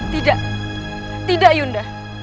tidak tidak yunda